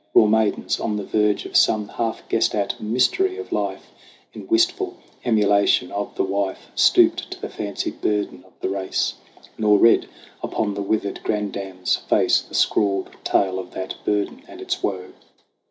Raw maidens on the verge Of some half guessed at mystery of life, In wistful emulation of the wife Stooped to the fancied burden of the race ; Nor read upon the withered granddam's face The scrawled tale of that burden and its woe.